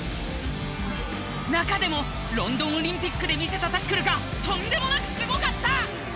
中でもロンドンオリンピックで魅せたタックルがとんでもなくすごかった！